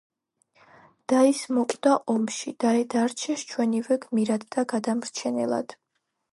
და ის მოკვდა ომში დაე დარჩეს ჩვენივე გმირად და გადამრჩენელად.